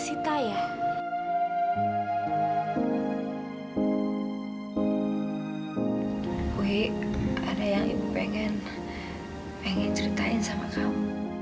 ada yang ibu pengen ceritain sama kamu